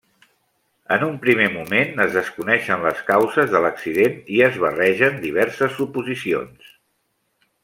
En un primer moment es desconeixen les causes de l'accident i es barregen diverses suposicions.